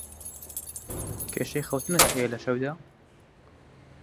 کێشەی خەوتنت هەیە لە شەودا؟